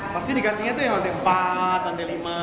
pasti dikasihnya tuh yang lantai empat lantai lima